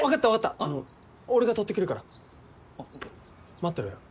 待ってろよ。